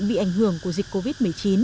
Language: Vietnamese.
bị ảnh hưởng của dịch covid một mươi chín